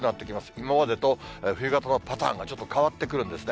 今までと冬型のパターンがちょっと変わってくるんですね。